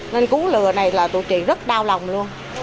nên cú lừa này là tụi chị rất đau lòng luôn